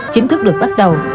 chính thức được bắt đầu